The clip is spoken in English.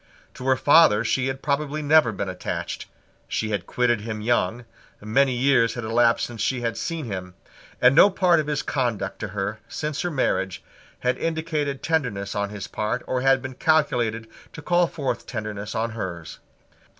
To her father she had probably never been attached: she had quitted him young: many years had elapsed since she had seen him; and no part of his conduct to her, since her marriage, had indicated tenderness on his part, or had been calculated to call forth tenderness on hers.